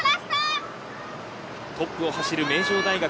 トップを走る名城大学。